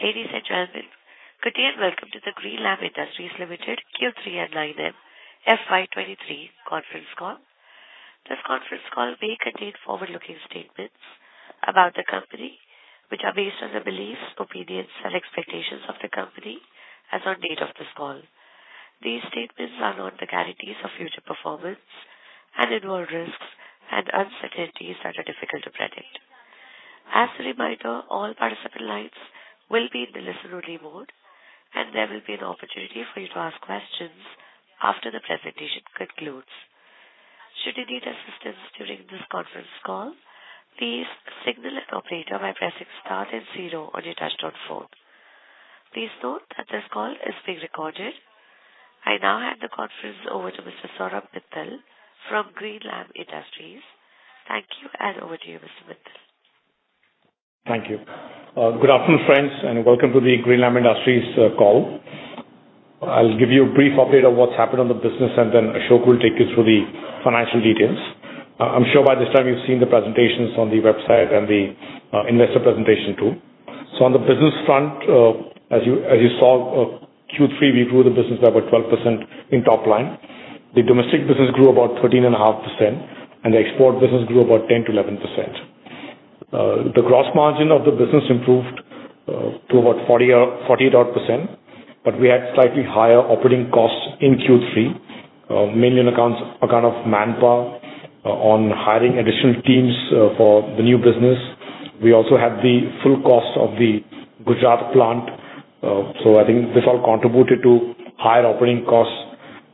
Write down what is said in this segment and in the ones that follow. Ladies and gentlemen, good day and welcome to the Greenlam Industries Limited Q3 and nine MF five twenty-three conference call. This conference call may contain forward-looking statements about the company, which are based on the beliefs, opinions, and expectations of the company as on date of this call. These statements are not guarantees of future performance and involve risks and uncertainties that are difficult to predict. As a reminder, all participant lines will be in the listener-only mode, and there will be an opportunity for you to ask questions after the presentation concludes. Should you need assistance during this conference call, please signal an operator by pressing star zero on your touch-tone phone. Please note that this call is being recorded. I now hand the conference over to Mr. Saurabh Mittal from Greenlam Industries. Thank you, and over to you, Mr. Mittal. Thank you. Good afternoon, friends, welcome to the Greenlam Industries call. I'll give you a brief update on what's happened on the business, then Ashok will take you through the financial details. I'm sure by this time you've seen the presentations on the website and the investor presentation too. On the business front, as you saw, Q3, we grew the business by about 12% in top line. The domestic business grew about 13.5%, and the export business grew about 10%-11%. The gross margin of the business improved to about 40, 48 odd percent, we had slightly higher operating costs in Q3, mainly on account of manpower on hiring additional teams for the new business. We also had the full cost of the Gujarat plant. I think this all contributed to higher operating costs,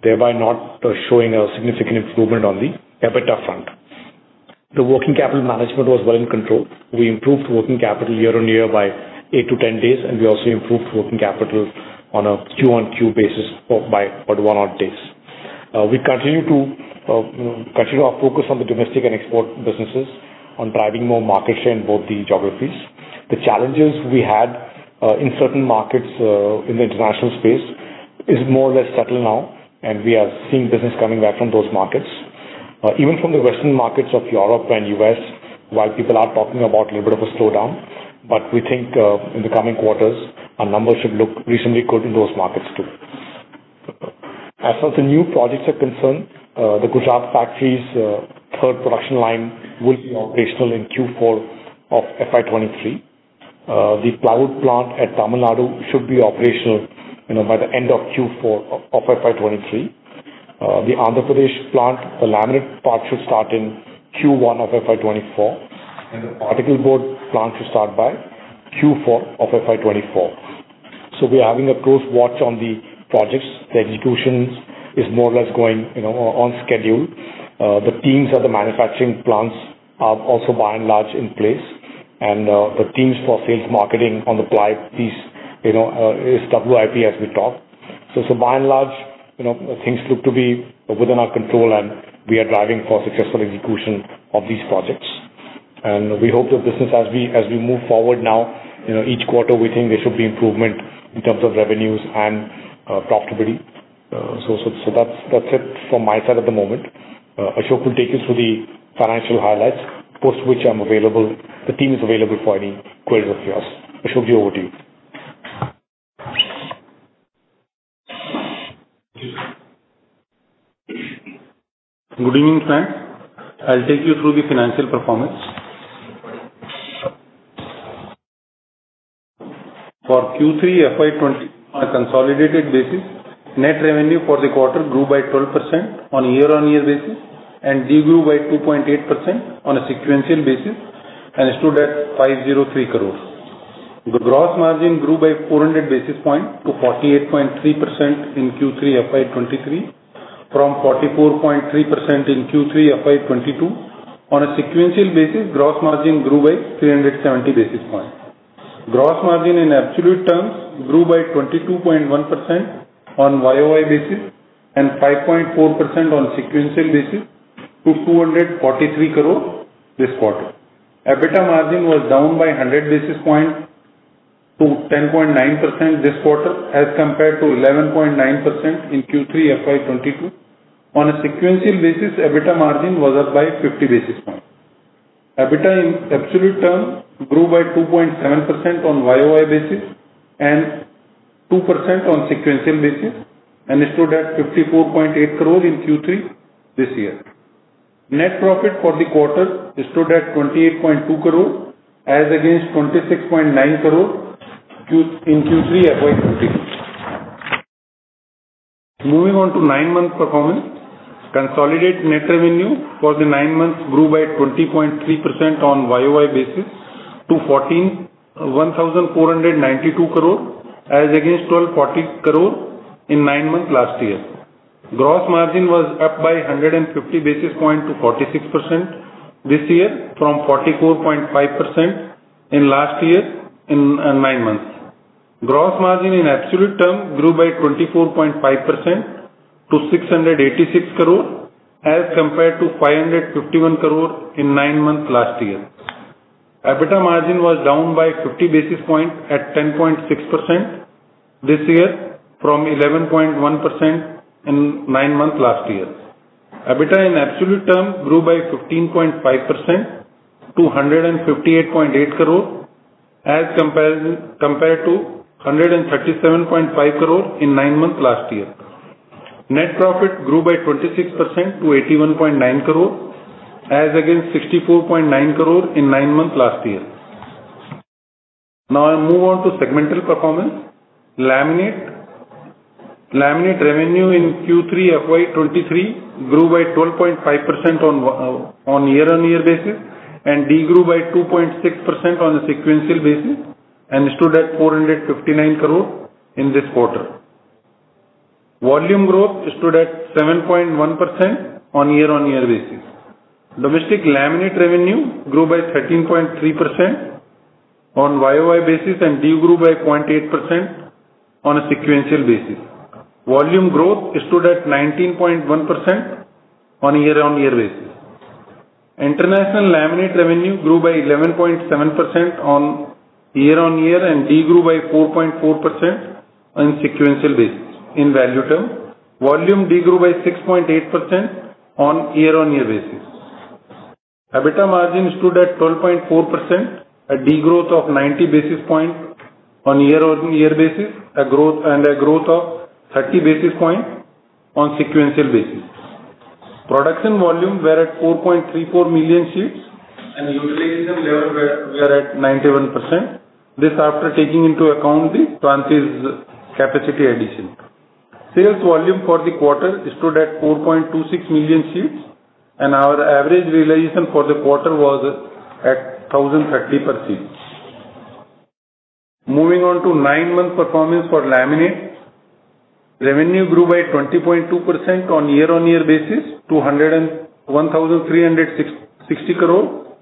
thereby not showing a significant improvement on the EBITDA front. The working capital management was well in control. We improved working capital year-on-year by 8-10 days. We also improved working capital on a Q-on-Q basis for by about 1 odd days. We continue to, you know, continue our focus on the domestic and export businesses on driving more market share in both the geographies. The challenges we had in certain markets in the international space is more or less settled now. We are seeing business coming back from those markets. Even from the Western markets of Europe and U.S., while people are talking about a little bit of a slowdown, we think in the coming quarters our numbers should look reasonably good in those markets too. As far as the new projects are concerned, the Gujarat factory's third production line will be operational in Q4 of FY23. The plywood plant at Tamil Nadu should be operational, you know, by the end of Q4 of FY23. The Andhra Pradesh plant, the laminate part should start in Q1 of FY24, the particleboard plant should start by Q4 of FY24. We are having a close watch on the projects. The execution is more or less going, you know, on schedule. The teams at the manufacturing plants are also by and large in place. The teams for sales marketing on the ply piece, you know, is double IP as we talk. By and large, you know, things look to be within our control, and we are driving for successful execution of these projects. We hope the business as we move forward now, you know, each quarter we think there should be improvement in terms of revenues and profitability. So that's it from my side at the moment. Ashok will take you through the financial highlights, post which I'm available, the team is available for any queries of yours. Ashok, over to you. Good evening, friends. I'll take you through the financial performance. For Q3 FY20, on a consolidated basis, net revenue for the quarter grew by 12% on a year-on-year basis and de-grew by 2.8% on a sequential basis and stood at INR 503 crore. The gross margin grew by 400 basis points to 48.3% in Q3 FY23 from 44.3% in Q3 FY22. On a sequential basis, gross margin grew by 370 basis points. Gross margin in absolute terms grew by 22.1% on YOY basis and 5.4% on sequential basis to 243 crore this quarter. EBITDA margin was down by 100 basis points to 10.9% this quarter as compared to 11.9% in Q3 FY22. On a sequential basis, EBITDA margin was up by 50 basis points. EBITDA in absolute terms grew by 2.7% on YOY basis and 2% on sequential basis and stood at 54.8 crore in Q3 this year. Net profit for the quarter stood at 28.2 crore as against 26.9 crore in Q3 FY22. Moving on to nine-month performance. Consolidated net revenue for the nine months grew by 20.3% on YOY basis to 1,492 crore as against 1,240 crore in nine months last year. Gross margin was up by 150 basis points to 46% this year from 44.5% in last year in nine months. Gross margin in absolute terms grew by 24.5% to 686 crore as compared to 551 crore in nine months last year. EBITDA margin was down by 50 basis points at 10.6% this year from 11.1% in nine months last year. EBITA in absolute terms grew by 15.5% to INR 158.8 crore compared to INR 137.5 crore in nine months last year. Net profit grew by 26% to 81.9 crore as against 64.9 crore in nine months last year. Now I'll move on to segmental performance. Laminate. Laminate revenue in Q3 FY23 grew by 12.5% on year-on-year basis and de-grew by 2.6% on a sequential basis, and stood at 459 crore in this quarter. Volume growth stood at 7.1% on year-on-year basis. Domestic laminate revenue grew by 13.3% on YOY basis and de-grew by 0.8% on a sequential basis. Volume growth stood at 19.1% on a year-on-year basis. International laminate revenue grew by 11.7% on year-on-year and de-grew by 4.4% on sequential basis in value term. Volume de-grew by 6.8% on year-on-year basis. EBITDA margin stood at 12.4%, a de-growth of 90 basis points on year-over-year basis, and a growth of 30 basis points on sequential basis. Production volume were at 4.34 million sheets and utilization level were at 91%. This after taking into account the Transys capacity addition. Sales volume for the quarter stood at 4.26 million sheets, and our average realization for the quarter was at 1,030 per sheet. Moving on to nine-month performance for laminate. Revenue grew by 20.2% on year-on-year basis to 1,360 crore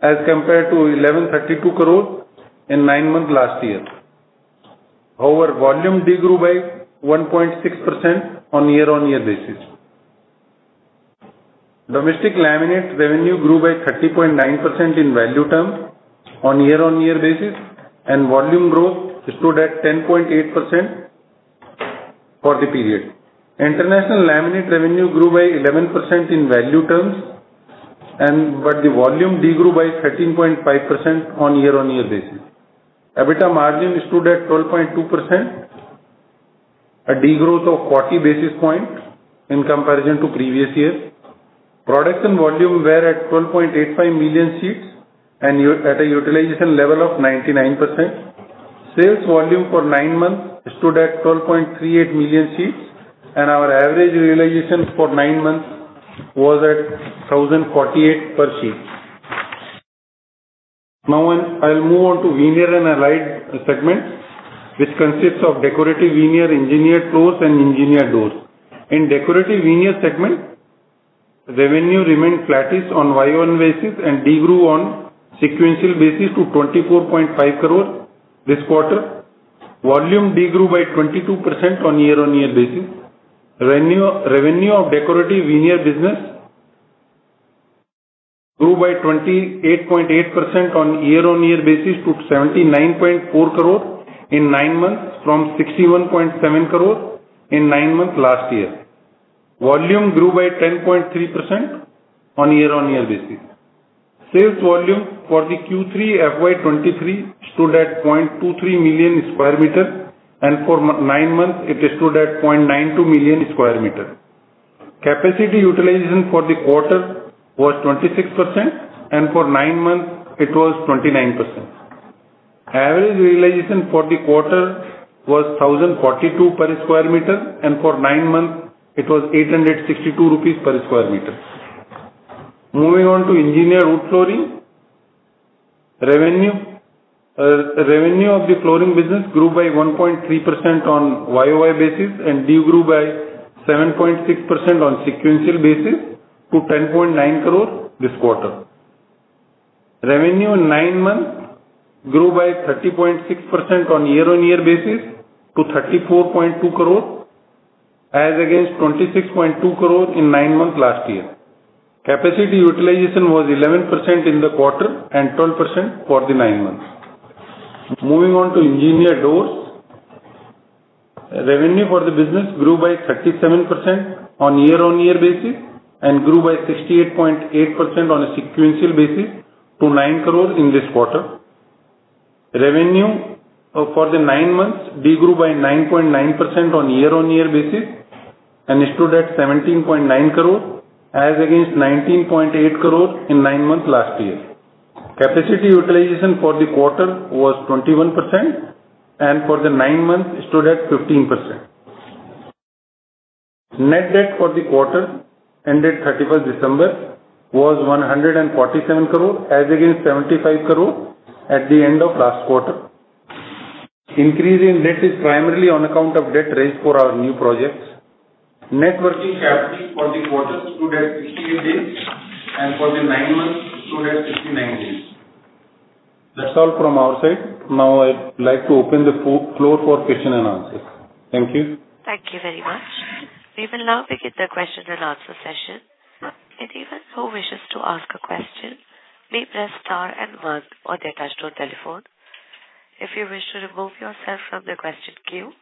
as compared to 1,132 crore in 9 months last year. However, volume de-grew by 1.6% on year-on-year basis. Domestic laminate revenue grew by 30.9% in value terms on year-on-year basis, and volume growth stood at 10.8% for the period. International laminate revenue grew by 11% in value terms but the volume de-grew by 13.5% on year-on-year basis. EBITDA margin stood at 12.2%, a de-growth of 40 basis points in comparison to previous year. Production volume were at 12.85 million sheets and at a utilization level of 99%. Sales volume for nine months stood at 12.38 million sheets, and our average realization for nine months was at 1,048 per sheet. Now I'll move on to veneer and allied segment, which consists of decorative veneer, engineered floors, and engineered doors. In decorative veneer segment, revenue remained flattish on YOY basis and de-grew on sequential basis to 24.5 crore this quarter. Volume de-grew by 22% on year-on-year basis. Revenue of decorative veneer business grew by 28.8% on year-on-year basis to 79.4 crore in 9 months from 61.7 crore in 9 months last year. Volume grew by 10.3% on year-on-year basis. Sales volume for the Q3 FY23 stood at 0.23 million square meter, and for 9 months it stood at 0.92 million square meter. Capacity utilization for the quarter was 26%, and for 9 months it was 29%. Average realization for the quarter was INR 1,042 per square meter, and for 9 months it was INR 862 per square meter. Moving on to engineered wood flooring. Revenue of the flooring business grew by 1.3% on YOY basis and de-grew by 7.6% on sequential basis to 10.9 crore this quarter. Revenue in nine months grew by 30.6% on year-on-year basis to 34.2 crore as against 26.2 crore in nine months last year. Capacity utilization was 11% in the quarter and 12% for the nine months. Moving on to engineered doors. Revenue for the business grew by 37% on year-on-year basis and grew by 68.8% on a sequential basis to 9 crore in this quarter. Revenue for the nine months de-grew by 9.9% on year-on-year basis and stood at 17.9 crore as against 19.8 crore in nine months last year. Capacity utilization for the quarter was 21% and for the nine months stood at 15%. Net debt for the quarter ended 31st December was 147 crore, as against 75 crore at the end of last quarter. Increase in debt is primarily on account of debt raised for our new projects. Net working capital for the quarter stood at 68 days and for the nine months stood at 69 days. That's all from our side. Now I'd like to open the floor for question and answer. Thank you. Thank you very much. We will now begin the question and answer session. If anyone who wishes to ask a question, please press star and one on their touch-tone telephone. If you wish to remove yourself from the question queue,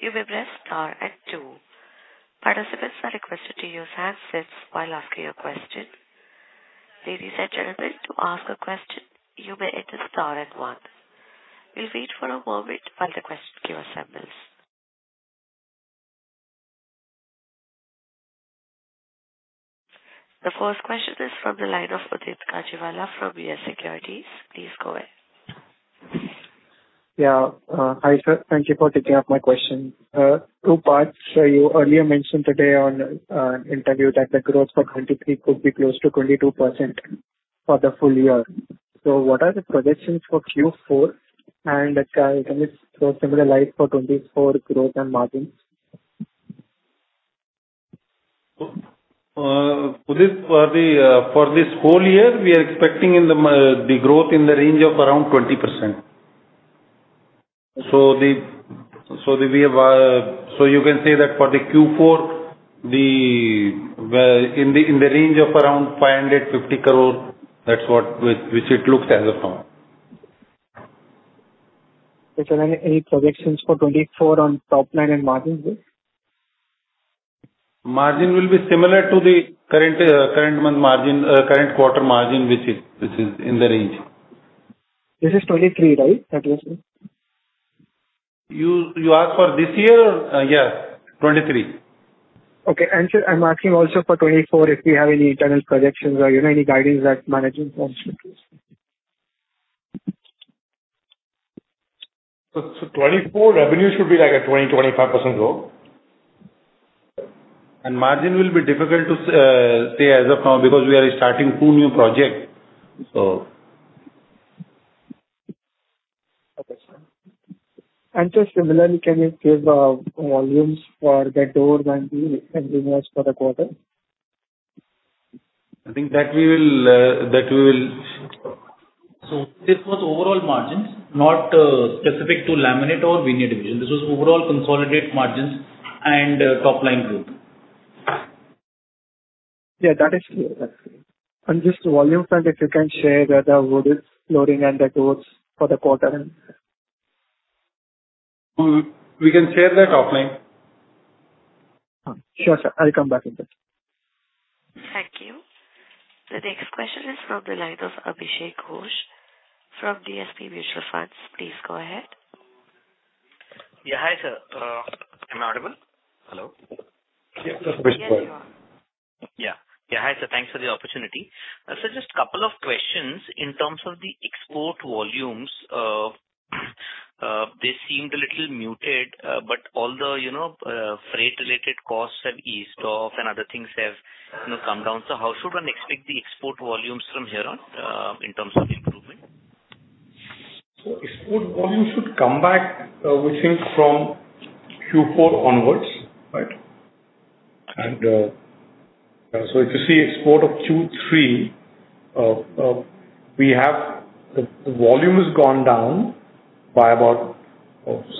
you may press star and two. Participants are requested to use handsets while asking your question. Ladies and gentlemen, to ask a question, you may enter star and one. We'll wait for a moment while the question queue assembles. The first question is from the line of Udit Gajiwala from YES SECURITIES. Please go ahead. Yeah. Hi, sir. Thank you for taking up my question. Two parts. You earlier mentioned today on interview that the growth for FY23 could be close to 22% for the full year. What are the projections for Q4 and can you throw some of the light for FY24 growth and margin? For this whole year, we are expecting the growth in the range of around 20%. You can say that for the Q4, in the range of around 550 crore, that's what it looks as of now. Is there any projections for 2024 on top line and margin, sir? Margin will be similar to the current month margin, current quarter margin, which is in the range. This is 2023, right? That was it. You asked for this year? Yeah, 2023. Okay. Sir, I'm asking also for FY24, if we have any internal projections or, you know, any guidance that management wants to give. 24 revenue should be like a 20%-25% growth. Margin will be difficult to say as of now because we are starting two new projects. Okay, sir. Just similarly, can you give volumes for the doors and windows for the quarter? I think that we will. This was overall margins, not specific to laminate or veneer division. This was overall consolidated margins and top line growth. Yeah, that is clear. That's clear. Just volumes and if you can share the wood flooring and the doors for the quarter end. We can share that offline. Sure, sir. I'll come back with this. Thank you. The next question is from the line of Abhishek Ghosh from DSP Mutual Fund. Please go ahead. Yeah. Hi, sir. Am I audible? Hello? Yes, you are. Yeah. Hi, sir. Thanks for the opportunity. Sir, just couple of questions. In terms of the export volumes, they seemed a little muted, but all the, you know, freight related costs have eased off and other things have, you know, come down. How should one expect the export volumes from here on, in terms of improvement? Export volume should come back, we think from Q4 onwards, right? If you see export of Q3, we have the volume has gone down by about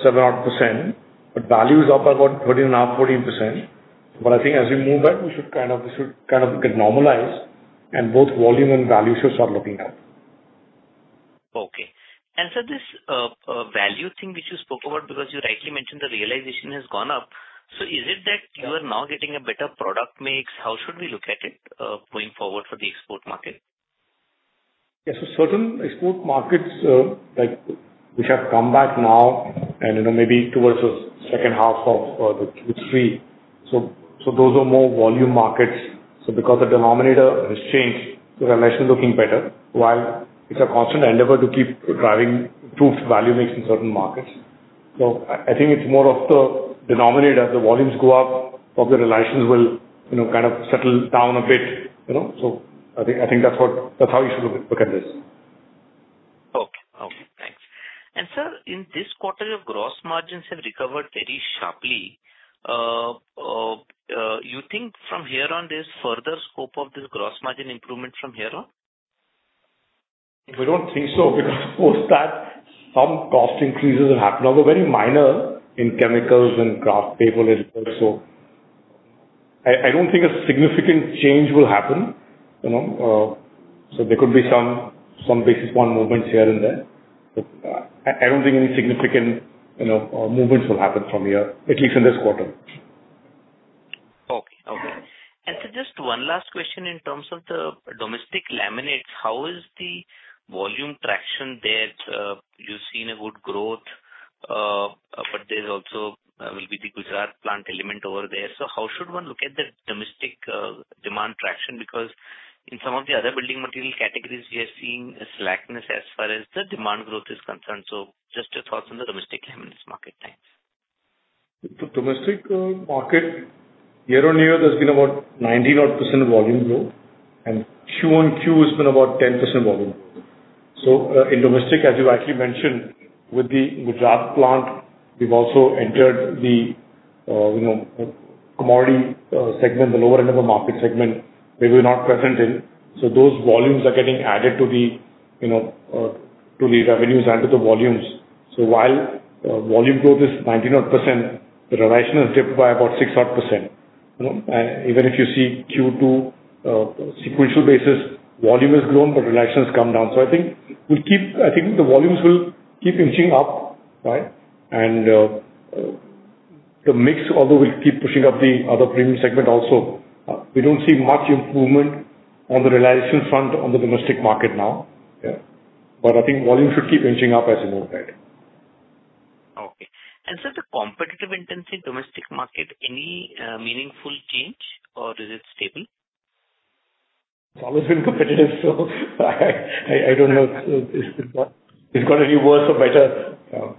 seven odd %, but value is up by about 13.5%, 14%. I think as we move back, we should kind of get normalized and both volume and value should start looking up. Okay. Sir, this value thing which you spoke about because you rightly mentioned the realization has gone up. Is it that you are now getting a better product mix? How should we look at it going forward for the export market? Yes. Certain export markets, like which have come back now and, you know, maybe towards the second half of the Q3. Those are more volume markets. Because the denominator has changed, realization looking better, while it's a constant endeavor to keep driving improved value mix in certain markets. I think it's more of the denominator. The volumes go up, probably realization will, you know, kind of settle down a bit, you know. I think that's what, that's how you should look at this. Okay. Okay, thanks. Sir, in this quarter, your gross margins have recovered very sharply. You think from here on, there's further scope of this gross margin improvement from here on? We don't think so because of course that some cost increases have happened. Although very minor in chemicals and kraft paper as well, so I don't think a significant change will happen, you know. There could be some basis point movements here and there, but I don't think any significant, you know, movements will happen from here, at least in this quarter. Okay. Okay. Sir, just one last question in terms of the domestic laminates. How is the volume traction there? You've seen a good growth, but there's also will be the Gujarat plant element over there. How should one look at the domestic demand traction? Because in some of the other building material categories, we are seeing a slackness as far as the demand growth is concerned. Just your thoughts on the domestic laminates market. Thanks. The domestic market year on year there's been about 90 odd % volume growth and Q on Q it's been about 10% volume growth. In domestic, as you rightly mentioned, with the Gujarat plant, we've also entered the, you know, commodity segment, the lower end of the market segment where we're not present in. Those volumes are getting added to the, you know, to the revenues and to the volumes. While volume growth is 90 odd %, the realization has dipped by about six odd %. You know, even if you see Q2 sequential basis, volume has grown but realization has come down. I think the volumes will keep inching up, right? The mix although will keep pushing up the other premium segment also. We don't see much improvement on the realization front on the domestic market now. Yeah. I think volume should keep inching up as a notepad. Okay. The competitive intensity in domestic market, any meaningful change or is it stable? It's always been competitive, so I don't know if it's got any worse or better.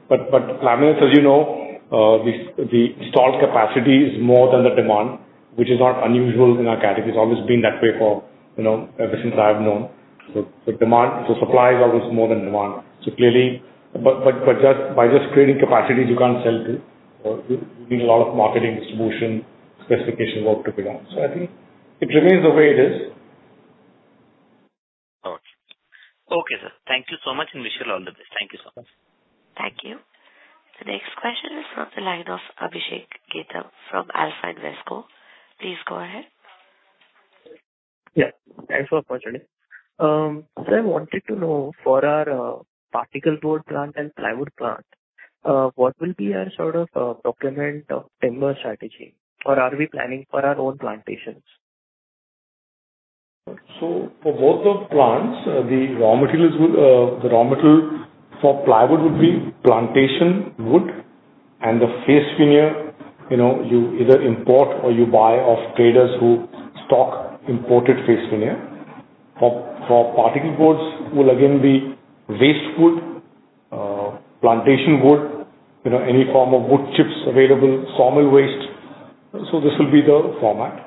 But laminates, as you know, the installed capacity is more than the demand, which is not unusual in our category. It's always been that way for, you know, ever since I've known. So demand, so supply is always more than demand. Clearly. But just, by just creating capacities, you can't sell good. You need a lot of marketing, distribution, specification work to be done. I think it remains the way it is. Okay. Okay, sir. Thank you so much and wish you all the best. Thank you, sir. Thank you. The next question is from the line of Abhishek Getam from Alpha Invesco. Please go ahead. Thanks for the opportunity. I wanted to know for our particleboard plant and plywood plant, what will be our sort of procurement of timber strategy? Are we planning for our own plantations? For both the plants, the raw materials would be plantation wood and the face veneer, you know, you either import or you buy off traders who stock imported face veneer. For particleboard will again be waste wood, plantation wood, you know, any form of wood chips available, sawmill waste. This will be the format.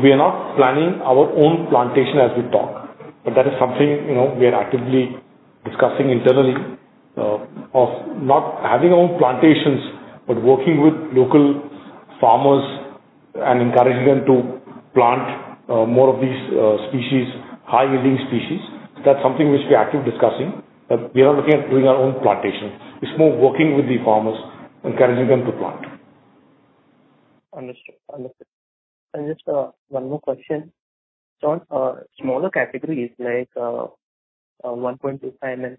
We are not planning our own plantation as we talk. That is something, you know, we are actively discussing internally, of not having our own plantations, but working with local farmers and encouraging them to plant more of these species, high-yielding species. That's something which we're actively discussing. We are looking at doing our own plantation. It's more working with the farmers, encouraging them to plant. Understood. Understood. Just, one more question. On, smaller categories like, 1.25 mm,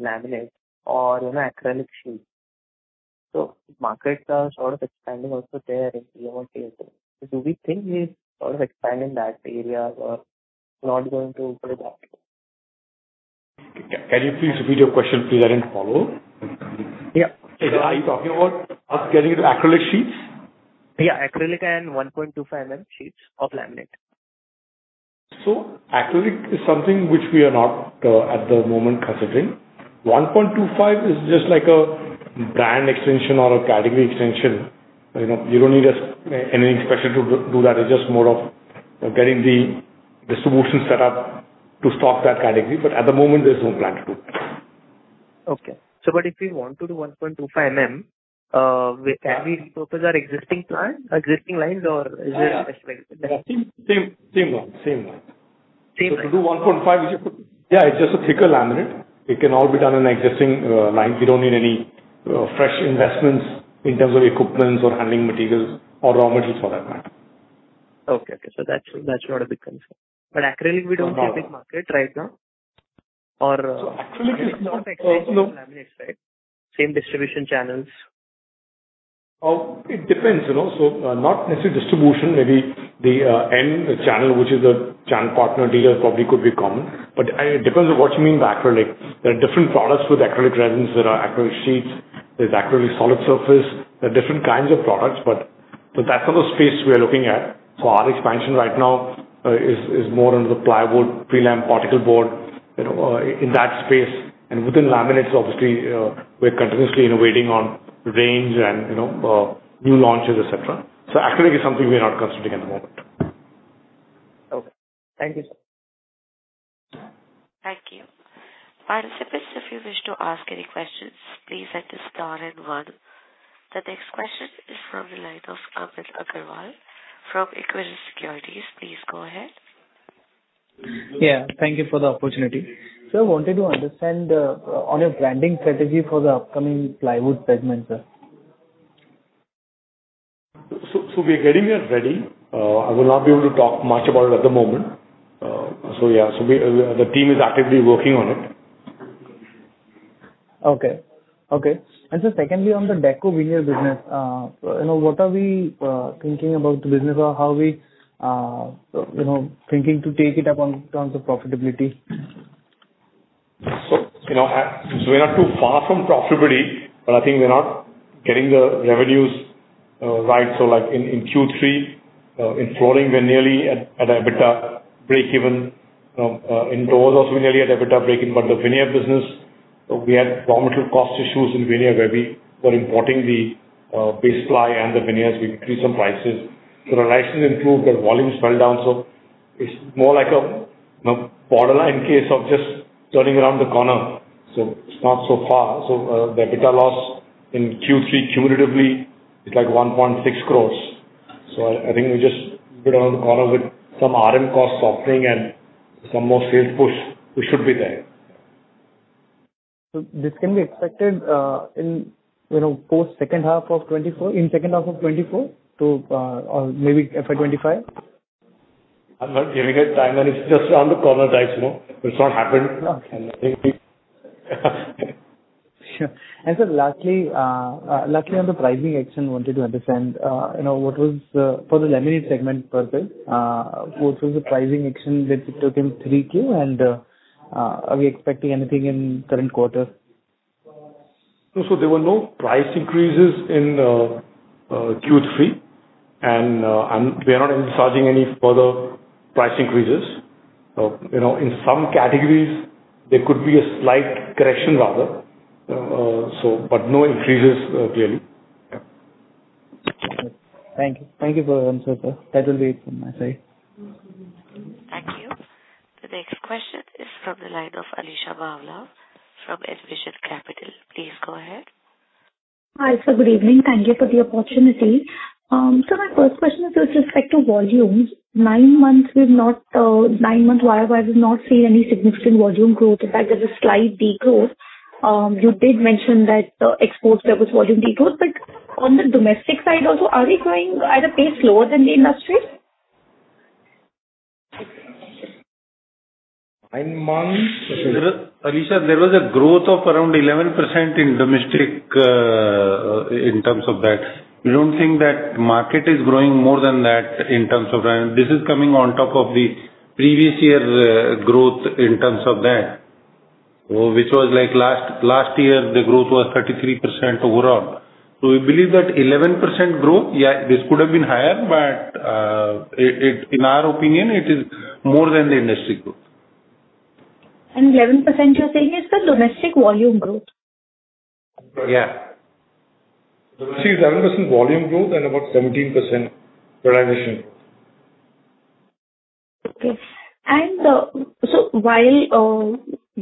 laminate or, you know, acrylic sheets. Markets are sort of expanding also there in year-on-year. Do we think we sort of expand in that area or not going to go to that? Can you please repeat your question, please? I didn't follow. Yeah. Are you talking about us getting into acrylic sheets? Yeah, acrylic and 1.25 mm sheets of laminate. Acrylic is something which we are not at the moment considering. 1.25 is just like a brand extension or a category extension. You know, you don't need any investment to do that. It's just more of getting the distribution set up to stock that category. At the moment, there's no plan to do it. If we want to do 1.25 mm, can we repurpose our existing plant, existing lines or is there investment? Yeah. Same line. Same line. Same line. To do 1.5, yeah, it's just a thicker laminate. It can all be done in existing lines. We don't need any fresh investments in terms of equipments or handling materials or raw materials for that matter. Okay. Okay. that's not a big concern. acrylic we don't see a big market right now? acrylic is not. Same distribution channels. It depends, you know. Not necessarily distribution. Maybe the end channel, which is a channel partner dealer probably could be common. It depends on what you mean by acrylic. There are different products with acrylic resins. There are acrylic sheets, there's acrylic solid surface. There are different kinds of products. That's not the space we are looking at. Our expansion right now is more into the plywood, pre-lam, particleboard, you know, in that space. Within laminates, obviously, we're continuously innovating on range and, you know, new launches, et cetera. Acrylic is something we are not considering at the moment. Okay. Thank you, sir. Thank you. Participants, if you wish to ask any questions, please enter star 1. The next question is from the line of Pankaj Agarwal from Equirus Securities. Please go ahead. Yeah, thank you for the opportunity. Sir, I wanted to understand, on your branding strategy for the upcoming plywood segment, sir. We are getting there already. I will not be able to talk much about it at the moment. Yeah, we, the team is actively working on it. Okay. Okay. Just secondly, on the deco veneer business, you know, what are we thinking about the business or how are we, you know, thinking to take it up on in terms of profitability? You know, so we're not too far from profitability, but I think we're not getting the revenues, right. Like in Q3, in flooring we're nearly at EBITDA breakeven. In doors also we're nearly at EBITDA breakeven. The veneer business, we had raw material cost issues in veneer where we were importing the base ply and the veneers, we increased some prices. Realization improved, but volumes fell down. It's more like a, you know, borderline case of just turning around the corner. It's not so far. The EBITDA loss in Q3 cumulatively is like 1.6 crores. I think we're just bit around the corner with some RM cost softening and some more sales push, we should be there. this can be expected, in, you know, post second half of 2024, in second half of 2024 to, or maybe FY 2025? I'm not giving a time, and it's just on the product life, you know? It's not happened. Okay. I think we Sure. Sir, lastly, on the pricing action I wanted to understand, you know, for the laminate segment purchase, what was the pricing action that it took in 3Q and, are we expecting anything in current quarter? There were no price increases in Q3 and we are not emphasizing any further price increases. You know, in some categories there could be a slight correction rather, so but no increases clearly. Yeah. Thank you. Thank you for the answer, sir. That will be it from my side. Thank you. The next question is from the line of Alisha Mahawla from Envision Capital. Please go ahead. Hi, sir. Good evening. Thank you for the opportunity. My first question is with respect to volumes. Nine months we've not, nine months Y/Y we've not seen any significant volume growth. In fact, there's a slight decrease. You did mention that the export there was volume decrease. On the domestic side also, are we growing at a pace slower than the industry? Nine months- Alisha, there was a growth of around 11% in domestic, in terms of that. We don't think that market is growing more than that in terms of that. This is coming on top of the previous year, growth in terms of that, which was like last year, the growth was 33% overall. We believe that 11% growth, yeah, this could have been higher, but, it, in our opinion, it is more than the industry growth. 11% you're saying is the domestic volume growth? Yeah. See, 11% volume growth and about 17% realization. Okay. While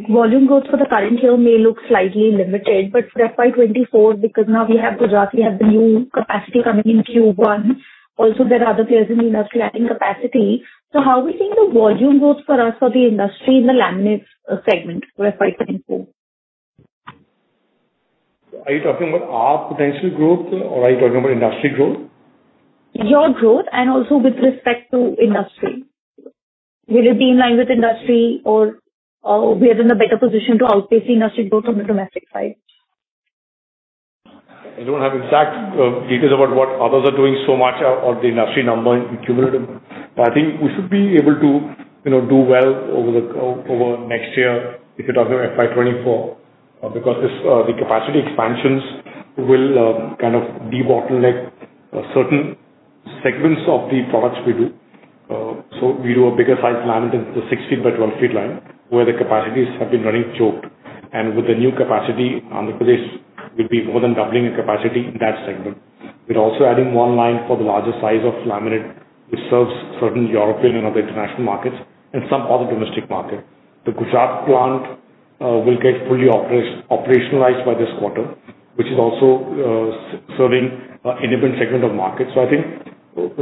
volume growth for the current year may look slightly limited, but for FY24, because now we have Gujarat, we have the new capacity coming in Q1, also there are other players in the industry adding capacity. How are we seeing the volume growth for us or the industry in the laminate segment for FY24? Are you talking about our potential growth or are you talking about industry growth? Your growth and also with respect to industry. Will it be in line with industry or we are in a better position to outpace the industry growth on the domestic side? I don't have exact details about what others are doing so much or the industry number in cumulative. I think we should be able to, you know, do well over the next year if you're talking about FY24, because this the capacity expansions will kind of debottleneck certain segments of the products we do. We do a bigger size laminate, the 6 feet by 12 feet line, where the capacities have been running choked. With the new capacity on the place, we'll be more than doubling the capacity in that segment. We're also adding one line for the larger size of laminate, which serves certain European and other international markets and some other domestic market. The Gujarat plant will get fully operationalized by this quarter, which is also serving a independent segment of market. I think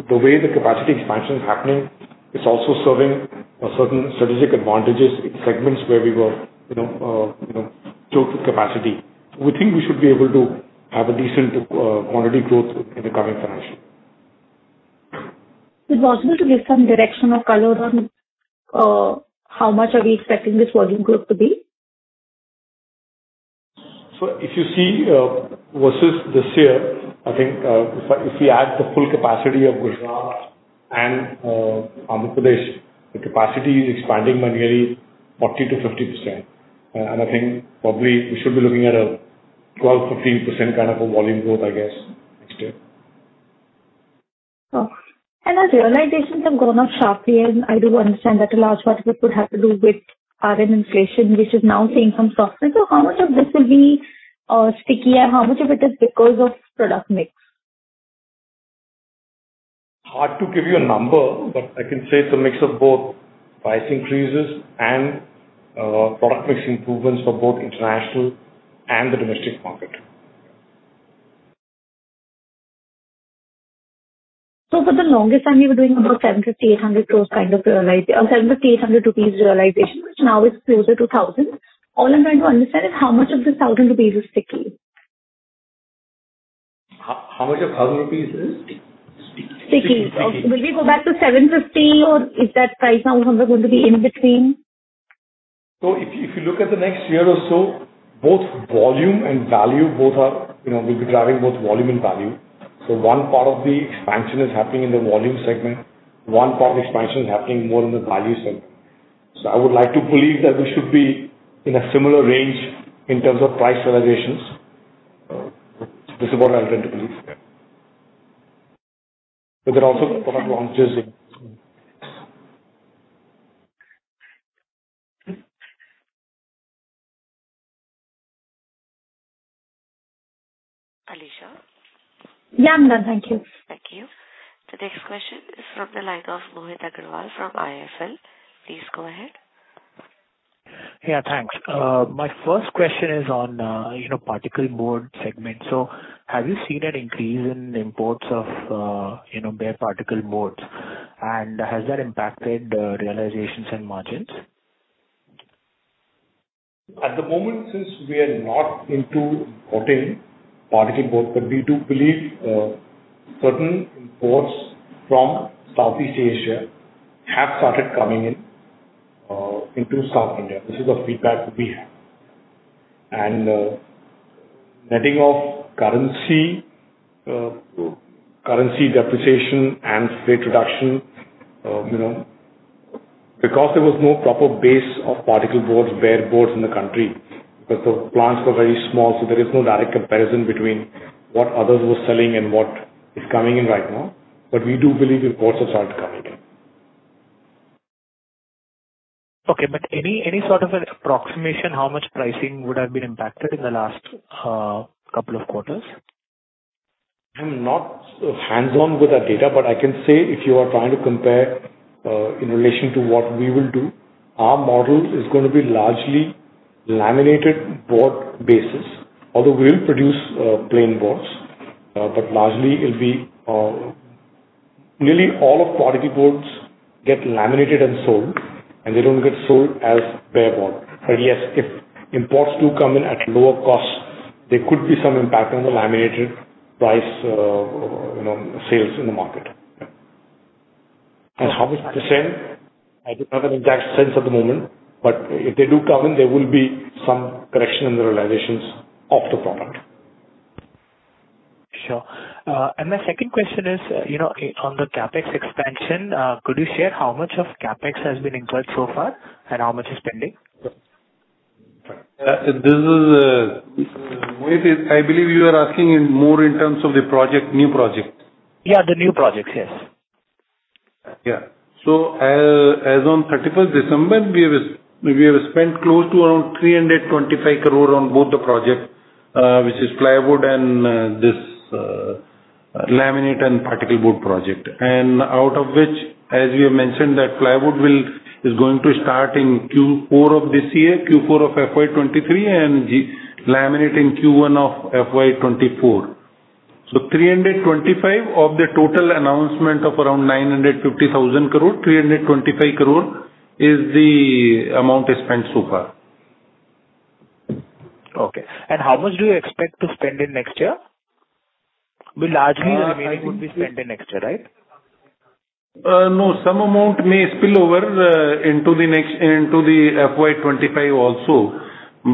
the way the capacity expansion is happening, it's also serving a certain strategic advantages in segments where we were, you know, choked with capacity. We think we should be able to have a decent quantity growth in the current financial year. Is it possible to give some direction or color on, how much are we expecting this volume growth to be? If you see, versus this year, I think, if we add the full capacity of Gujarat and Andhra Pradesh, the capacity is expanding by nearly 40%-50%. I think probably we should be looking at a 12%-15% kind of a volume growth, I guess, next year. As realizations have gone up sharply, and I do understand that the last part it could have to do with RM inflation, which is now seeing some softening. How much of this will be sticky and how much of it is because of product mix? Hard to give you a number, but I can say it's a mix of both price increases and product mix improvements for both international and the domestic market. For the longest time you were doing about 750, 800 gross kind of realization, or INR 700-800 realization, which now is closer to 1,000. All I'm trying to understand is how much of this 1,000 rupees is sticky? How much of 1,000 rupees is? Sticky. Sticky. Sticky. Okay. Will we go back to 750 or is that price now somewhere going to be in between? If you look at the next year or so, both volume and value, both are, you know, we'll be driving both volume and value. One part of the expansion is happening in the volume segment. One part of the expansion is happening more in the value segment. I would like to believe that we should be in a similar range in terms of price realizations. This is what I would like to believe, yeah. There are also product launches in this. Alisha? Yeah, ma'am. Thank you. Thank you. The next question is from the line of Mohit Agrawal from IIFL. Please go ahead. Yeah, thanks. My first question is on, you know, particleboard segment. Have you seen an increase in imports of, you know, bare particleboards? Has that impacted, realizations and margins? At the moment, since we are not into importing particle board, but we do believe, certain imports from Southeast Asia have started coming in, into South India. This is the feedback we have. Netting off currency depreciation and trade reduction, you know, because there was no proper base of particle boards, bare boards in the country, because the plants were very small, so there is no direct comparison between what others were selling and what is coming in right now. We do believe imports have started coming in. Any sort of an approximation how much pricing would have been impacted in the last couple of quarters? I'm not hands-on with that data, but I can say if you are trying to compare, in relation to what we will do, our model is gonna be largely laminated board basis. Although we'll produce, plain boards, but largely it'll be. Nearly all of particle boards get laminated and sold, and they don't get sold as bare board. Yes, if imports do come in at lower costs, there could be some impact on the laminated price, you know, sales in the market. How much %, I do not have an exact sense at the moment, but if they do come in, there will be some correction in the realizations of the product. Sure. My second question is, you know, on the CapEx expansion, could you share how much of CapEx has been incurred so far, and how much is pending? This is Mohit, I believe you are asking in more in terms of the project, new project. Yeah, the new projects. Yes. Yeah. As on 31st December, we have spent close to around 325 crore on both the project, which is plywood and this laminate and particle board project. Out of which, as we have mentioned, that plywood is going to start in Q4 of this year, Q4 of FY23, and laminate in Q1 of FY24. 325 of the total announcement of around 950,000 crore, 325 crore is the amount spent so far. Okay. How much do you expect to spend in next year? Uh, I would- Largely the remaining would be spent in next year, right? No, some amount may spill over into the next, into the FY 25 also,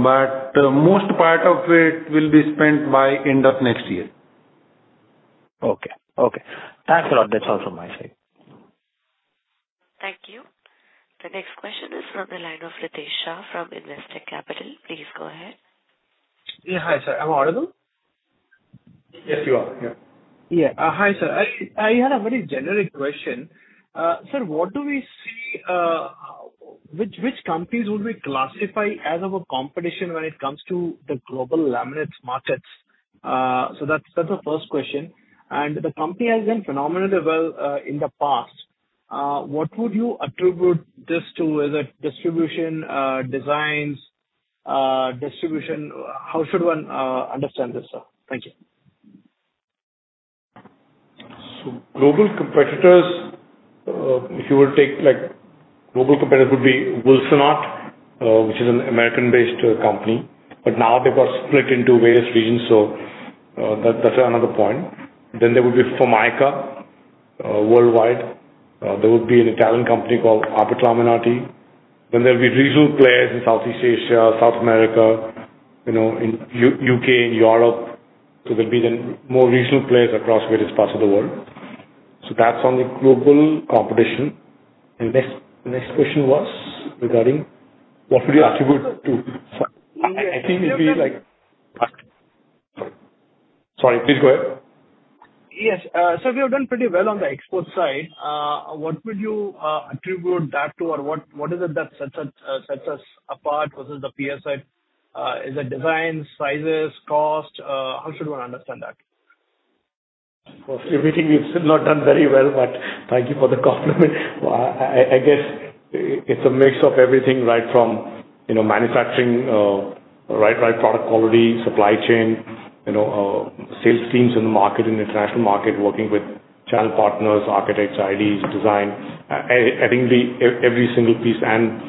but most part of it will be spent by end of next year. Okay. Okay. Thanks a lot. That's all from my side. Thank you. The next question is from the line of Ritesh Shah from Investec Capital. Please go ahead. Yeah. Hi, sir. Am I audible? Yes, you are. Yeah. Yeah. Hi, sir. I had a very generic question. Sir, what do we see, which companies would we classify as our competition when it comes to the global laminates markets? That's the first question. The company has done phenomenally well in the past. What would you attribute this to? Is it distribution, designs, distribution? How should one understand this, sir? Thank you. Global competitors, if you would take, like global competitors would be Wilsonart, which is an American-based company, but now they got split into various regions, that's another point. There would be Formica worldwide. There would be an Italian company called Abet Laminati. There'll be regional players in Southeast Asia, South America, you know, in U.K. and Europe. There'll be then more regional players across various parts of the world. That's on the global competition. Next question was regarding what would you attribute to- Sorry, sir. I think it'd be like. Sorry. Please go ahead. Yes. Sir, you have done pretty well on the export side. What would you attribute that to or what is it that sets us apart versus the peer side? Is it designs, sizes, cost? How should one understand that? Of everything we've still not done very well, but thank you for the compliment. I guess it's a mix of everything, right? From, you know, manufacturing, right product quality, supply chain, you know, sales teams in the market, in the international market, working with channel partners, architects, IDs, design. Every single piece and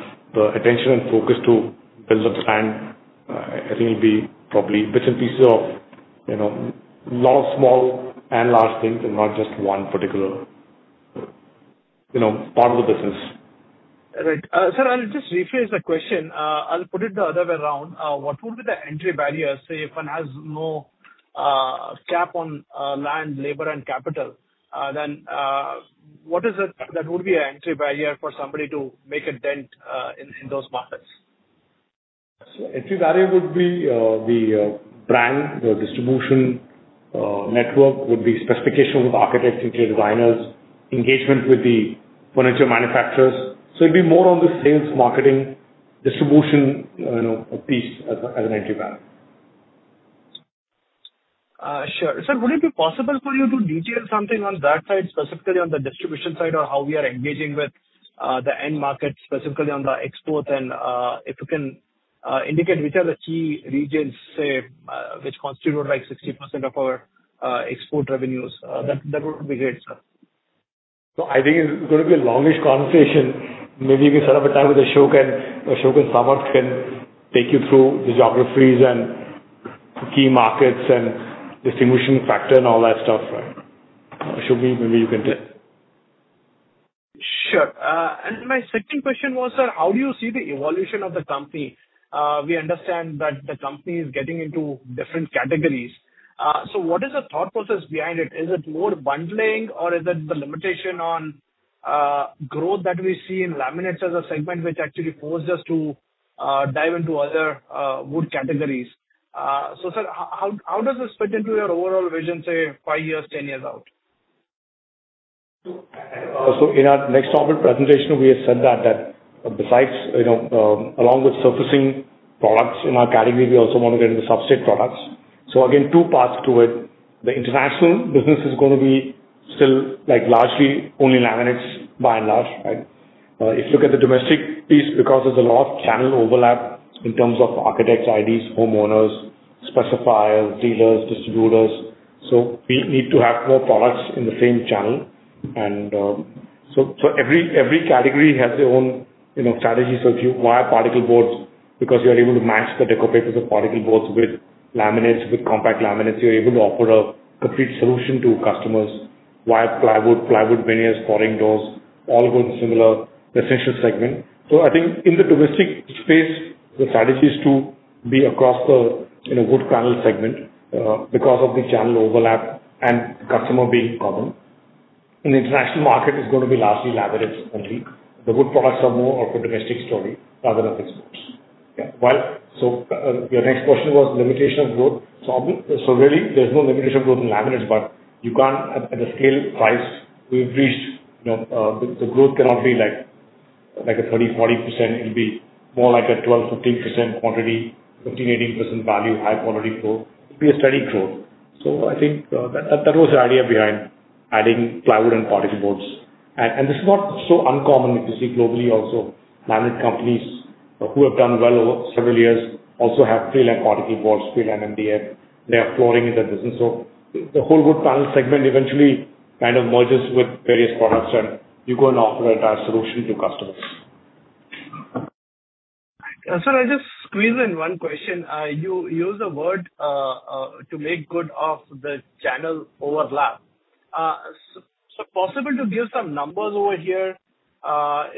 attention and focus to build up the brand, I think it'll be probably bits and pieces of, you know, lot of small and large things and not just one particular, you know, part of the business. Right. Sir, I'll just rephrase the question. I'll put it the other way around. What would be the entry barrier, say, if one has no, cap on, land, labor, and capital, then, what is it that would be an entry barrier for somebody to make a dent, in those markets? Entry barrier would be the brand, the distribution network, would be specification with architects, interior designers, engagement with the furniture manufacturers. It'd be more on the sales, marketing, distribution, you know, piece as an entry barrier. Sure. Sir, would it be possible for you to detail something on that side, specifically on the distribution side or how we are engaging with the end market, specifically on the exports? If you can indicate which are the key regions, say, which constitute like 60% of our export revenues. That would be great, sir. I think it's gonna be a longish conversation. Maybe you can set up a time with Ashokan. Ashok and Samarth can take you through the geographies and the key markets and distinguishing factor and all that stuff. Ashoke, maybe you can take. Sure. My second question was, sir, how do you see the evolution of the company? We understand that the company is getting into different categories. What is the thought process behind it? Is it more bundling or is it the limitation on growth that we see in laminates as a segment which actually forced us to dive into other wood categories? Sir, how does this fit into your overall vision, say, 5 years, 10 years out? In our next corporate presentation, we have said that besides, you know, along with surfacing products in our category, we also want to get into the substrate products. The international business is gonna be still, like, largely only laminates by and large, right? If you look at the domestic piece, because there's a lot of channel overlap in terms of architects, IDs, homeowners, specifiers, dealers, distributors, so we need to have more products in the same channel. Every category has their own, you know, strategy. If you acquire particle boards because you are able to match the decor papers of particle boards with laminates, with compact laminates, you're able to offer a complete solution to customers via plywood veneers, flooring doors, all those similar potential segment. I think in the domestic space, the strategy is to be across the, you know, wood panel segment, because of the channel overlap and customer being common. In the international market, it's gonna be largely laminates only. The wood products are more of a domestic story rather than exports. Yeah. Your next question was limitation of growth. Really there's no limitation of growth in laminates, but you can't at the scale, price we've reached, you know, the growth cannot be like a 30%-40%. It'll be more like a 12%-15% quantity, 15%-18% value, high quantity growth. It'll be a steady growth. I think, that was the idea behind adding plywood and particle boards. This is not so uncommon if you see globally also. Laminate companies who have done well over several years also have trail and particle boards, trail and MDF. They have flooring in their business, so the whole wood panel segment eventually kind of merges with various products and you go and offer entire solution to customers. eeze in 1 question. You use the word to make good of the channel overlap. Possible to give some numbers over here,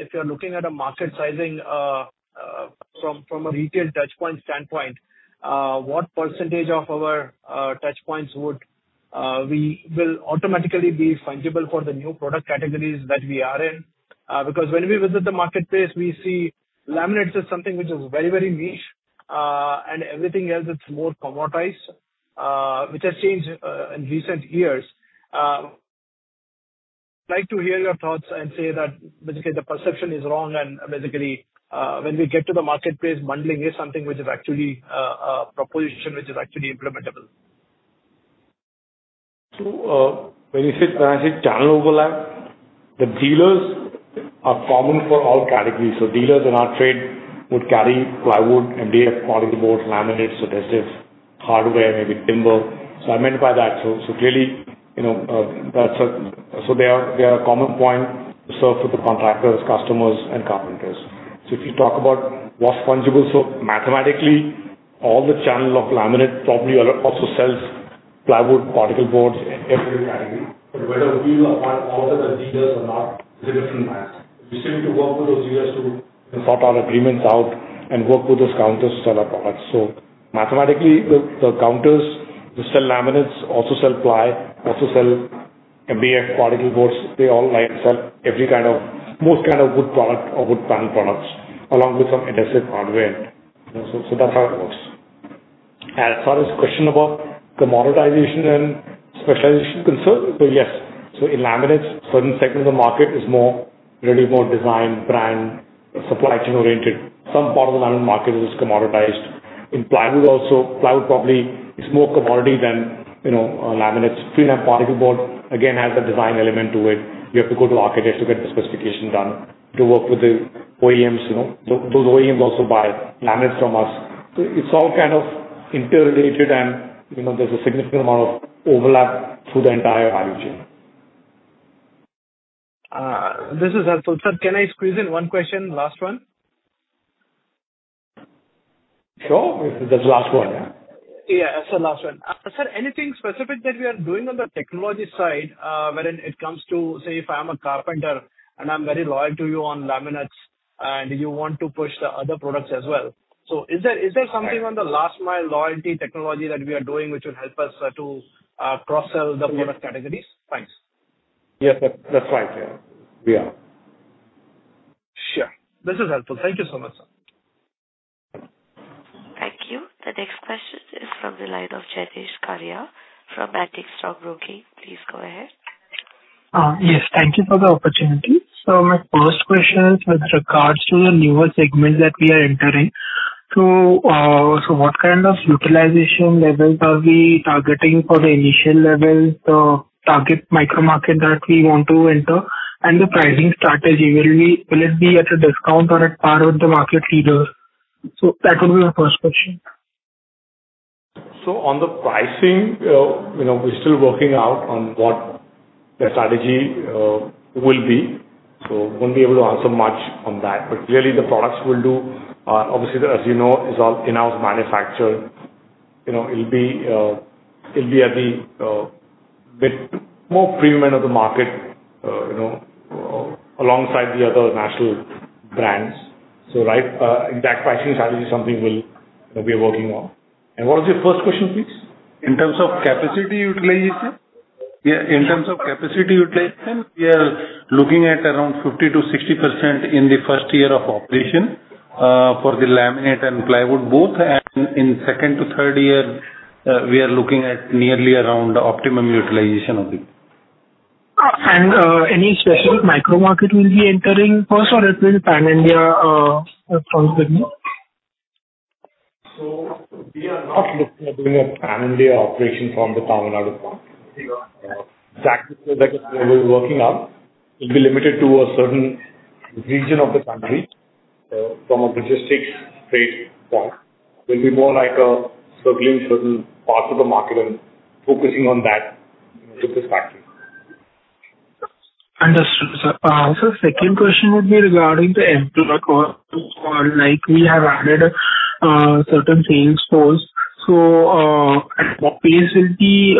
if you're looking at a market sizing from a retail touchpoint standpoint, what percentage of our touchpoints would we automatically be fungible for the new product categories that we are in? Because when we visit the marketplace, we see laminates is something which is very, very niche, and everything else it's more commoditized, which has changed in recent years. Like to hear your thoughts and say that basically the perception is wrong and basically, when we get to the marketplace, bundling is something which is actually a proposition which is actually implementable. When you say, when I say channel overlap, the dealers are common for all categories. Dealers in our trade would carry plywood, MDF, particle boards, laminates, adhesives, hardware, maybe timber. I meant by that. Clearly, you know, that's a. They are a common point for the contractors, customers and carpenters. If you talk about what's fungible, mathematically all the channel of laminate probably also sells plywood, particle boards, every category. Whether we will acquire all of the dealers or not is a different matter. We still need to work with those dealers to sort our agreements out and work with those counters to sell our products. Mathematically, the counters to sell laminates also sell ply, also sell MDF, particle boards. They all might sell every kind of. most kind of wood product or wood panel products, along with some adhesive, hardware. That's how it works. As far as question about commoditization and specialization concern, yes. In laminates, certain segment of the market is more, really more design, brand, supply chain oriented. Some part of the laminate market is commoditized. In plywood also, plywood probably is more commodity than, you know, laminates. Particleboard, again, has a design element to it. We have to go to architects to get the specification done, to work with the OEMs, you know. Those OEMs also buy laminates from us. It's all kind of interrelated and, you know, there's a significant amount of overlap through the entire value chain. This is helpful. Sir, can I squeeze in one question, last one? Sure. If it's last one, yeah. Yeah. It's the last one. sir, anything specific that we are doing on the technology side, wherein it comes to, say, if I'm a carpenter and I'm very loyal to you on laminates and you want to push the other products as well. Is there something on the last mile loyalty technology that we are doing which would help us to cross-sell the product categories? Thanks. Yes. That's fine. Yeah. We are. Sure. This is helpful. Thank you so much, sir. Thank you. The next question is from the line of Jenish Karia from Antique Stock Broking. Please go ahead. Yes. Thank you for the opportunity. My first question is with regards to the newer segments that we are entering. What kind of utilization levels are we targeting for the initial levels, target micro market that we want to enter? The pricing strategy, will it be at a discount or at par with the market leaders? That would be my first question. On the pricing, you know, we're still working out on what the strategy will be, so won't be able to answer much on that. Clearly the products will do. Obviously, as you know, it's all in-house manufactured. You know, it'll be, it'll be at the bit more premium end of the market, you know, alongside the other national brands. Right, exact pricing strategy is something we'll, we're working on. What was your first question, please? In terms of capacity utilization? Yeah, in terms of capacity utilization, we are looking at around 50%-60% in the first year of operation for the laminate and plywood both. In 2nd-3rd year, we are looking at nearly around optimum utilization of it. Any specific micro market we'll be entering first or this is pan-India from the beginning? We are not looking at doing a pan-India operation from the Tamil Nadu plant. That we're working on will be limited to a certain region of the country, from a logistics freight point. We'll be more like a circling certain parts of the market and focusing on that with this factory. Understood, sir. sir, second question would be regarding the employee cost. Like we have added certain sales force. At what pace we'll be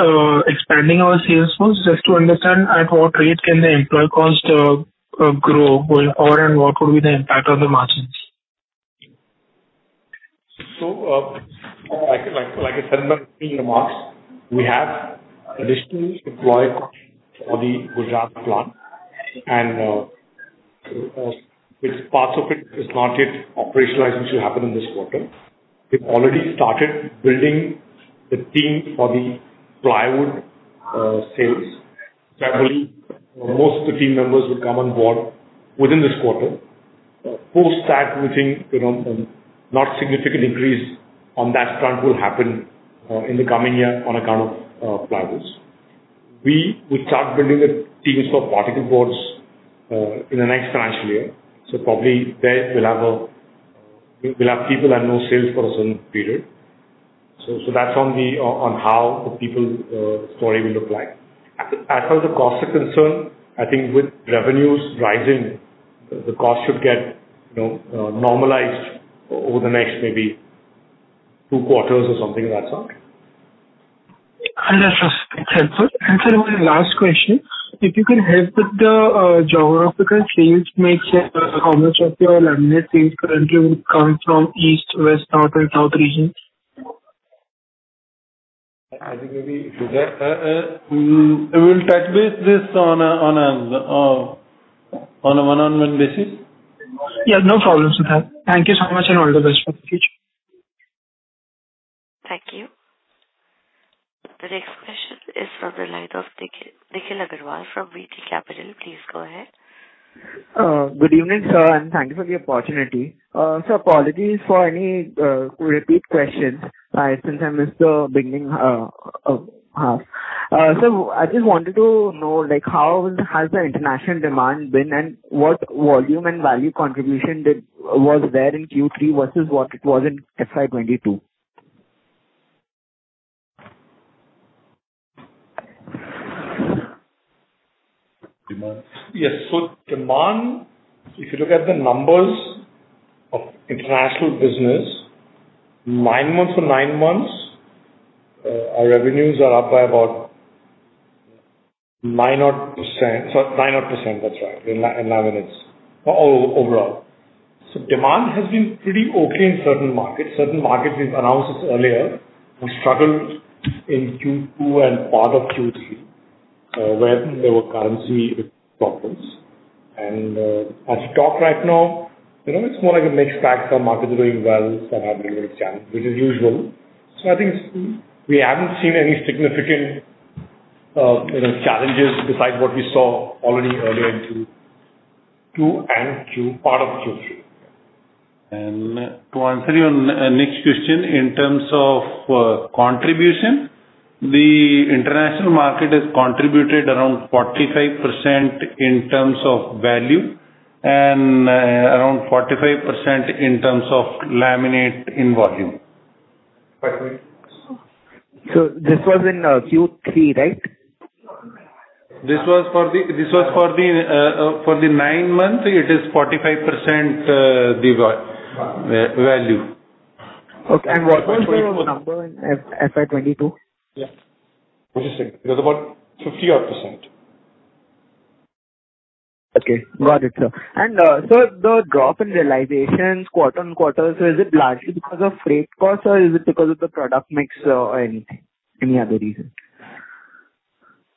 expanding our sales force. Just to understand at what rate can the employee cost grow going forward and what would be the impact on the margins? Like I said in my opening remarks, we have additional employee cost for the Gujarat plant and parts of it is not yet operationalized, which will happen in this quarter. We've already started building the team for the plywood sales. I believe most of the team members would come on board within this quarter. Post that we think, you know, not significant increase on that front will happen in the coming year on account of plywood. We will start building the teams for particle boards in the next financial year, probably there we'll have people and no sales for a certain period. That's on the how the people story will look like. As far as the costs are concerned, I think with revenues rising, the costs should get, you know, normalized over the next maybe two quarters or something of that sort. Understood. Thanks, sir. Sir, one last question. If you could help with the geographical sales mix, how much of your laminate sales currently would come from east, west, north and south regions? I think maybe we'll touch base this on a one-on-one basis. Yeah, no problem, Sudhir. Thank you so much and all the best for the future. Thank you. The next question is from the line of Nikhil Agrawal from VT Capital. Please go ahead. Good evening, sir, and thank you for the opportunity. Sir, apologies for any repeat questions, since I missed the beginning half. I just wanted to know, like, how has the international demand been and what volume and value contribution was there in Q3 versus what it was in FY22? Demand. Yes. Demand, if you look at the numbers of international business, 9 months on 9 months, our revenues are up by about 9 odd%. Sorry, 9 odd%, that's right, in laminates. Demand has been pretty okay in certain markets. Certain markets we've announced this earlier, we struggled in Q2 and part of Q3, where there were currency problems. As we talk right now, you know, it's more like a mixed bag. Some markets are doing well, some are little bit challenging, but as usual. I think we haven't seen any significant, you know, challenges besides what we saw already earlier in Q2 and part of Q3. To answer your next question in terms of contribution, the international market has contributed around 45% in terms of value and, around 45% in terms of laminate in volume. this was in, Q3, right? For the nine months, it is 45% the value. Okay. What was the number in FY22? Yeah. Interesting. It was about 50 odd %. Okay. Got it, sir. Sir, the drop in realizations quarter-on-quarter, is it largely because of freight costs or is it because of the product mix or anything, any other reason?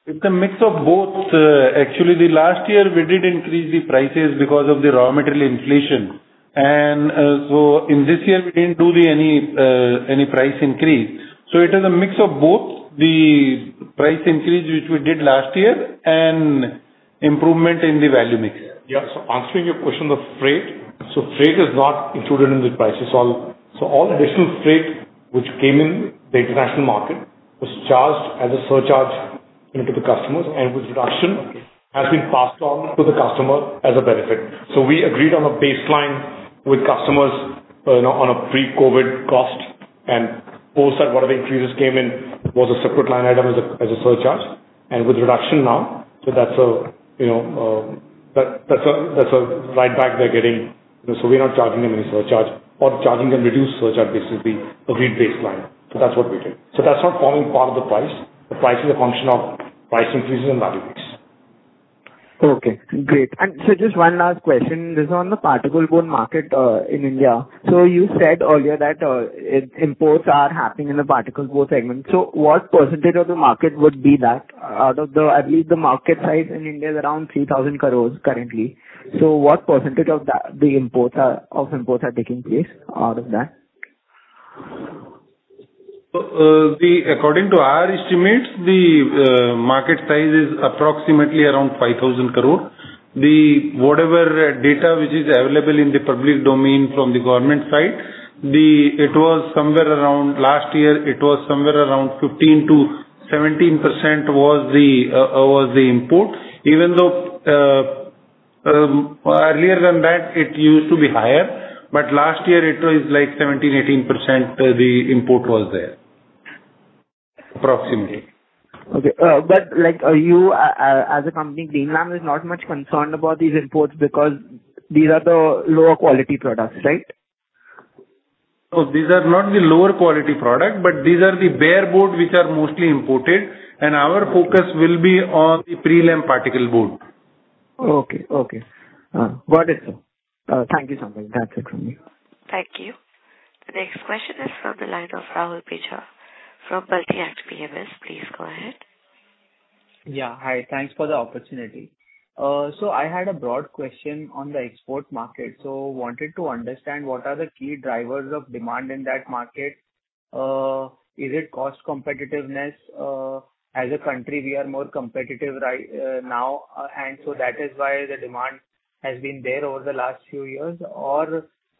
It's a mix of both. Actually the last year we did increase the prices because of the raw material inflation. In this year we didn't do any price increase. It is a mix of both the price increase which we did last year and improvement in the value mix. Yeah. Answering your question of freight. Freight is not included in the prices. All additional freight which came in the international market was charged as a surcharge to the customers, and with reduction has been passed on to the customer as a benefit. We agreed on a baseline with customers, you know, on a pre-COVID cost, and post that, whatever increases came in was a separate line item as a, as a surcharge. With reduction now, that's a, you know, that's a, that's a right back they're getting. We're not charging them any surcharge or charging them reduced surcharge, basically, agreed baseline. That's what we did. That's not forming part of the price. The price is a function of price increases and value mix. Okay, great. Just one last question. This is on the particleboard market in India. You said earlier that imports are happening in the particleboard segment. What percentage of the market would be that? I believe the market size in India is around 3,000 crores currently. What percentage of that the imports are taking place out of that? According to our estimates, the market size is approximately around 5,000 crore. Whatever data which is available in the public domain from the government side, it was somewhere around. Last year, it was somewhere around 15%-17% was the import. Even though earlier than that, it used to be higher, but last year it was like 17%-18% the import was there, approximately. Okay. like, you as a company, Greenlam is not much concerned about these imports because these are the lower quality products, right? No, these are not the lower quality product, but these are the bare board which are mostly imported, and our focus will be on the pre-lam particleboard. Okay. Okay. Got it, sir. Thank you so much. That's it from me. Thank you. The next question is from the line of Rahul Picha from Multi-Act PMS. Please go ahead. Yeah. Hi. Thanks for the opportunity. I had a broad question on the export market. Wanted to understand what are the key drivers of demand in that market? Is it cost competitiveness? As a country, we are more competitive right, now, that is why the demand has been there over the last few years?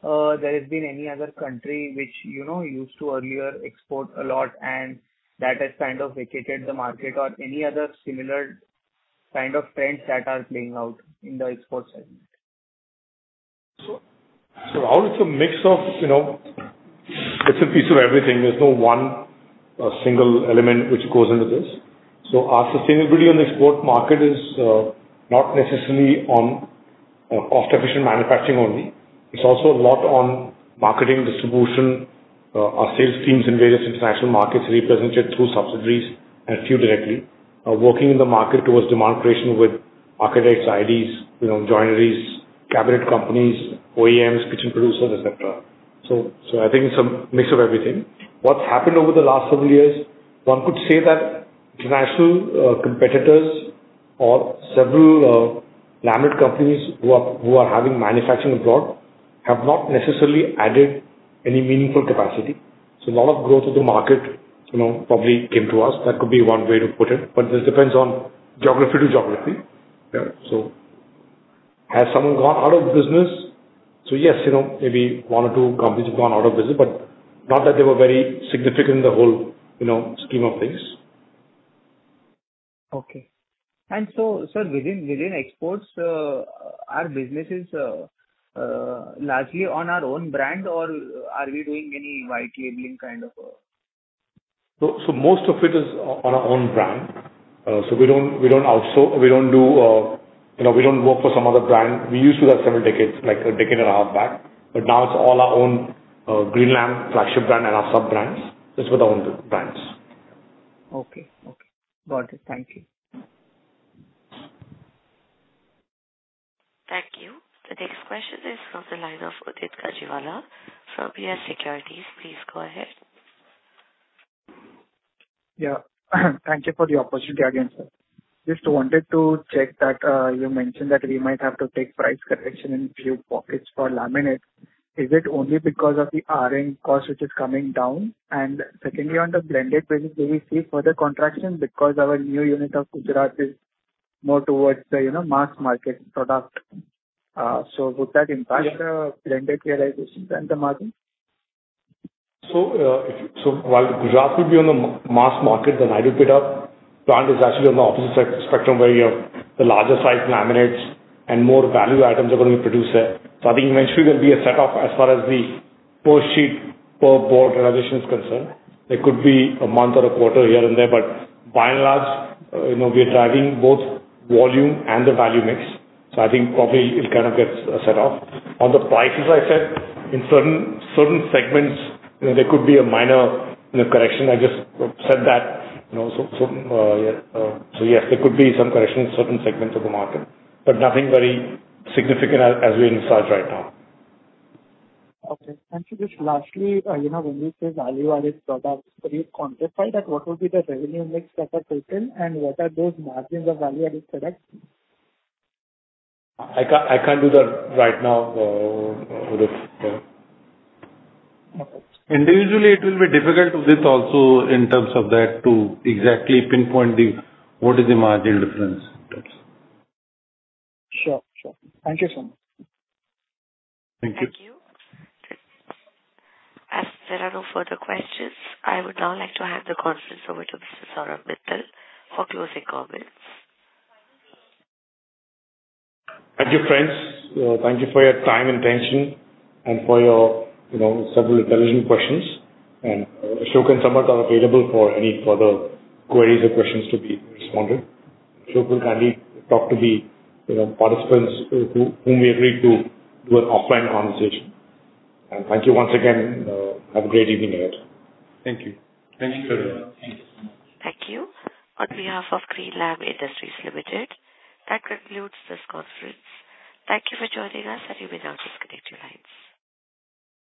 There has been any other country which, you know, used to earlier export a lot and that has kind of vacated the market or any other similar kind of trends that are playing out in the export segment? All it's a mix of, you know, it's a piece of everything. There's no one single element which goes into this. Our sustainability on the export market is not necessarily on cost-efficient manufacturing only. It's also a lot on marketing, distribution, our sales teams in various international markets represented through subsidiaries and few directly are working in the market towards demand creation with architects, IDs, you know, joineries, cabinet companies, OEMs, kitchen producers, et cetera. I think it's a mix of everything. What's happened over the last several years, one could say that international competitors or several laminate companies who are having manufacturing abroad have not necessarily added any meaningful capacity. A lot of growth of the market, you know, probably came to us. That could be one way to put it, but this depends on geography to geography. Yeah. Has someone gone out of business? Yes, you know, maybe one or two companies have gone out of business, but not that they were very significant in the whole, you know, scheme of things. Okay. Sir, within exports, our business is largely on our own brand or are we doing any white labeling kind of? Most of it is on our own brand. We don't do, you know, we don't work for some other brand. We used to do that several decades, like a decade and a half back, now it's all our own Greenlam flagship brand and our sub-brands. It's with our own brands. Okay. Okay. Got it. Thank you. Thank you. The next question is from the line of Udit Gajiwala from YES Securities. Please go ahead. Yeah. Thank you for the opportunity again, sir. Just wanted to check that, you mentioned that we might have to take price correction in few pockets for laminates. Is it only because of the raw material cost which is coming down? Secondly, on the blended prices, do we see further contraction because our new unit of Gujarat is more towards the, you know, mass market product. Would that impact blended realizations and the margin? While Gujarat will be on the mass market, the Naidupeta plant is actually on the opposite spectrum where you have the larger size laminates and more value items are gonna be produced there. I think eventually there'll be a setoff as far as the per sheet, per board realization is concerned. There could be a month or a quarter here and there, but by and large, you know, we are driving both volume and the value mix. I think probably it kind of gets set off. On the prices, I said in certain segments, you know, there could be a minor, you know, correction. I just said that, you know, yes, there could be some correction in certain segments of the market, but nothing very significant as we envisage right now. Okay. just lastly, you know, when we say value-added products, could you quantify that? What would be the revenue mix that are taken, and what are those margins of value-added products? I can't do that right now, Udit. Okay. Individually, it will be difficult, Udit, also in terms of that to exactly pinpoint the what is the margin difference in terms. Sure. Sure. Thank you, sir. Thank you. Thank you. As there are no further questions, I would now like to hand the conference over to Mr. Saurabh Mittal for closing comments. Thank you, friends. Thank you for your time and attention and for your, you know, several intelligent questions. Ashok Sharma and Samarth Agarwal are available for any further queries or questions to be responded. Ashok Sharma will kindly talk to the, you know, participants who, whom we agreed to do an offline conversation. Thank you once again. Have a great evening ahead. Thank you. Thank you very much. Thank you. On behalf of Greenlam Industries Limited, that concludes this conference. Thank you for joining us and you may now disconnect your lines.